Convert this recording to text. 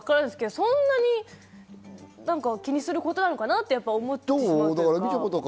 そんなに気にすることなのかな？と思ってしまうというか。